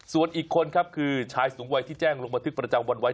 ส่วนอีกคนครับคือชายสูงวัยที่แจ้งลงบันทึกประจำวันไว้